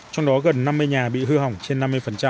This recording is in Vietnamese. trong đó gần năm mươi nhà bị hư hỏng trên năm mươi